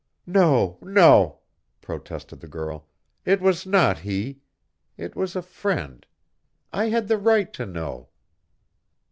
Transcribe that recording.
"No, no!" protested the girl. "It was not he. It was a friend. I had the right to know."